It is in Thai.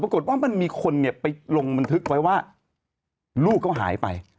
ปรากฏว่ามันมีคนเนี่ยไปลงบันทึกไว้ว่าลูกเขาหายไป